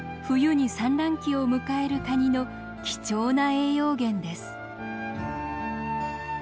冬に産卵期を迎えるカニの貴重な栄養源です。